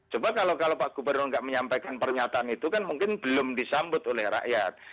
coba kalau pak gubernur nggak menyampaikan pernyataan itu kan mungkin belum disambut oleh rakyat